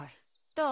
どう？